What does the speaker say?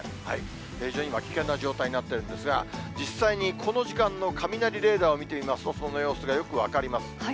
非常に今、危険な状態になっているんですが、実際にこの時間の雷レーダーを見てみますと、その様子がよく分かります。